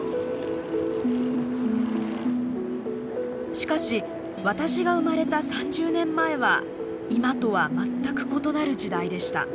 しかし私が生まれた３０年前は今とは全く異なる時代でした。